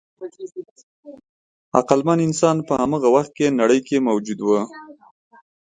عقلمن انسان په هماغه وخت کې نړۍ کې موجود و.